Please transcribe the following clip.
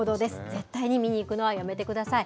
絶対に見に行くのはやめてください。